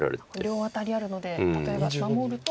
両アタリあるので例えば守ると。